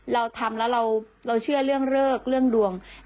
เราทำแล้วเราเชื่อเรื่องเลิกเรื่องดวง